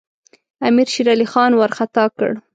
امیر شېرعلي خان وارخطا کړ.